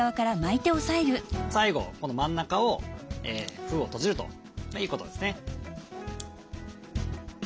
最後この真ん中を封を閉じるということですね。